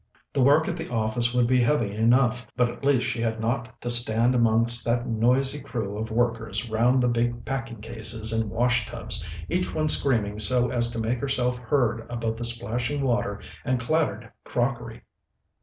The work at the office would be heavy enough, but at least she had not to stand amongst that noisy crew of workers round the big packing cases and wash tubs, each one screaming so as to make herself heard above the splashing water and clattered crockery.